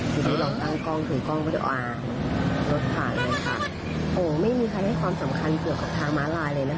ทีนี้เราตั้งกล้องถือกล้องไม่ได้เอารถผ่านเลยค่ะโอ้ไม่มีใครให้ความสำคัญเกี่ยวกับทางม้าลายเลยนะคะ